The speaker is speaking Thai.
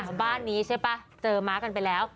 บ้านนี้ใช่ป่ะเจอม้ากันไปแล้ว